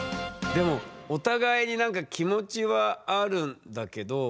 でもお互いになんか気持ちはあるんだけどなんかね。